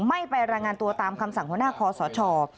ไม่ไปรายงานตัวตามคำสั่งหัวหน้าคอสช